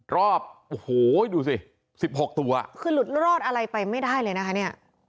รอบโอ้โหดูสิ๑๖ตัวคือหลุดรอดอะไรไปไม่ได้เลยนะคะเนี่ย